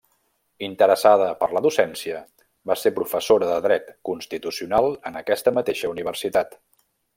Interessada per la docència va ser professora de dret constitucional en aquesta mateixa universitat.